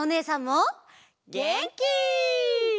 げんき！